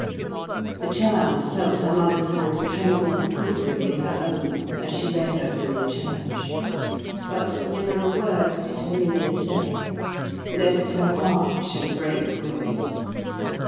The child felt her mother's hand tremble quivering in her own as she led her from the church; but never a word did Herminia say, lest her heart should break with it.